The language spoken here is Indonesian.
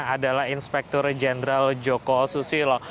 adalah inspektur jenderal joko susilo